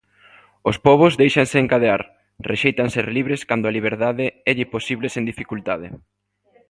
Os pobos déixanse encadear, rexeitan ser libres cando a liberdade élle posible sen dificultade.